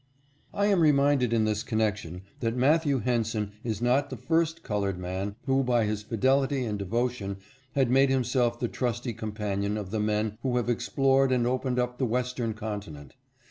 I am reminded in this connection that Matthew Henson is not the first colored man who by his fidelity and devotion has made himself the trusty companion of the men who have explored and opened up the western continent.